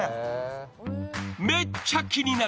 めっちゃ気になる